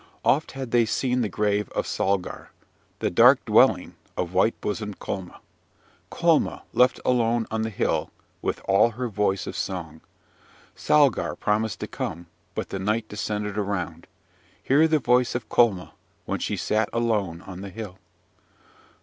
Oft had they seen the grave of Salgar, the dark dwelling of white bosomed Colma. Colma left alone on the hill with all her voice of song! Salgar promised to come! but the night descended around. Hear the voice of Colma, when she sat alone on the hill!